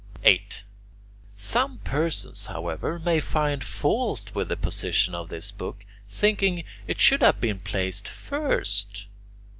8. Some persons, however, may find fault with the position of this book, thinking that it should have been placed first.